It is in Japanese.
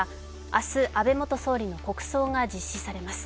明日、安倍元総理の国葬が実施されます。